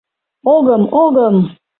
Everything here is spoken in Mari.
— Огым, огым!